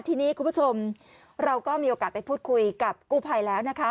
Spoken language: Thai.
ทีนี้คุณผู้ชมเราก็มีโอกาสไปพูดคุยกับกู้ภัยแล้วนะคะ